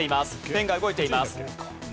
ペンが動いています。